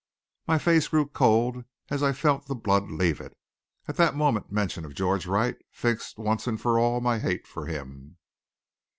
My face grew cold as I felt the blood leave it. At that moment mention of George Wright fixed once for all my hate of him.